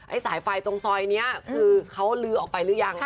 ไอ้สายไฟตรงซอยเนี่ยคือเขาลือออกไปหรือยังค่ะ